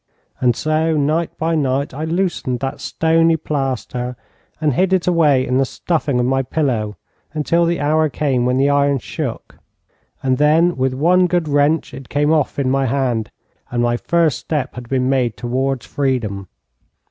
And so, night by night, I loosened that stony plaster, and hid it away in the stuffing of my pillow, until the hour came when the iron shook; and then with one good wrench it came off in my hand, and my first step had been made towards freedom.